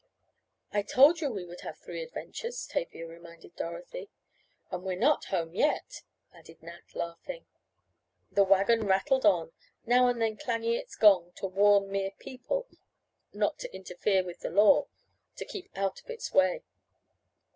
"I told you we would have three adventures," Tavia reminded Dorothy. "And we are not home yet," added Nat, laughing. The wagon rattled on, now and then clanging its gong to warn mere "people," not to interfere with the law to keep out of its way.